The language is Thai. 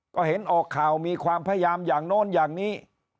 ก็เห็นออกข่าวมีความพยายามอย่างโน้นอย่างนี้